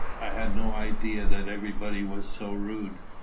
_ I had no idea that everybody was so rude.